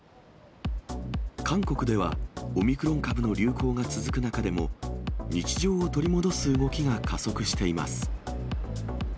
韓国では、オミクロン株の流行が続く中でも、日常を取り戻す動きが加速しています。